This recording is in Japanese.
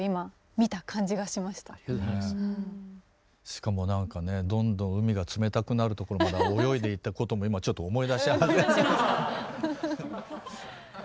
しかも何かねどんどん海が冷たくなるところまで泳いでいったことも今ちょっと思い出し始めて。